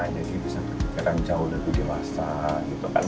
jadi bisa ketika yang jauh lebih dewasa gitu kan